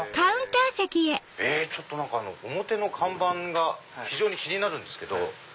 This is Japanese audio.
ちょっと何か表の看板が非常に気になるんですけど。